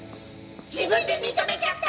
自分で認めちゃった！？